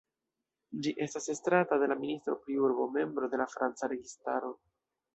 Ĝi estas estrata de la ministro pri urbo, membro de la franca registaro.